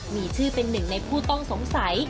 มีชื่อเป็นหนึ่งในผู้ต้องสงสัย